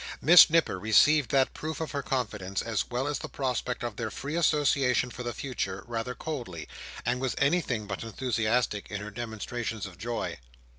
Miss Nipper received that proof of her confidence, as well as the prospect of their free association for the future, rather coldly, and was anything but enthusiastic in her demonstrations of joy.